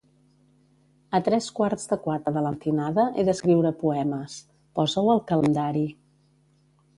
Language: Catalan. A tres quarts de quatre de la matinada he d'escriure poemes, posa-ho al calendari.